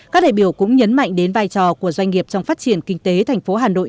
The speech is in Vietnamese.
các đại biểu cũng nhấn mạnh đến vai trò của doanh nghiệp trong phát triển kinh tế thành phố hà nội